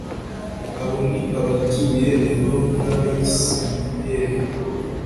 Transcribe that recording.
abo ni abatuye edomu n'abayismaheli